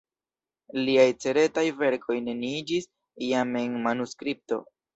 Liaj ceteraj verkoj neniiĝis jam en manuskripto.